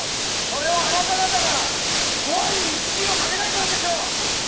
それはあなた方がご飯にシチューをかけないからでしょ！